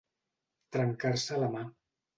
Trencar-se la mà.